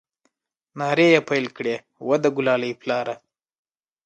نارې يې پيل كړې وه د ګلالي پلاره!